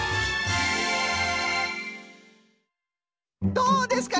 どうですか？